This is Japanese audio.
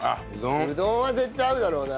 うどんは絶対合うだろうな。